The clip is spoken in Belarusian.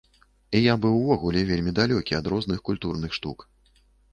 І я быў увогуле вельмі далёкі ад розных культурных штук.